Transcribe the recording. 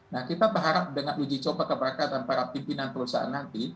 nah kita berharap dengan uji coba keberangkatan para pimpinan perusahaan nanti